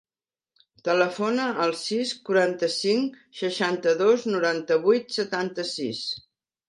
Telefona al sis, quaranta-cinc, seixanta-dos, noranta-vuit, setanta-sis.